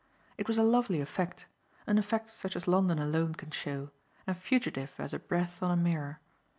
It was a lovely effect; an effect such as London alone can show, and fugitive as a breath on a mirror.